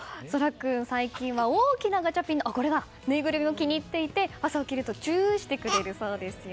君、最近は大きなガチャピンのぬいぐるみを気に入っていて朝起きるとチューしてくれるそうですよ。